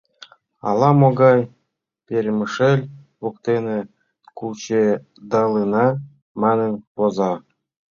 Ала-могай Перемышель воктене кучедалына манын воза.